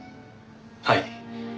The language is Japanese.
はい。